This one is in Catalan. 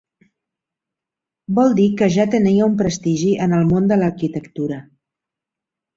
Vol dir que ja tenia un prestigi en el món de l'arquitectura.